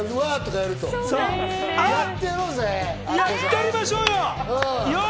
やってやりましょうよ！